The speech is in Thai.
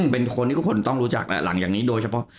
เป็นคนที่ทุกคนต้องรู้จักแหละหลังจากนี้โดยเฉพาะ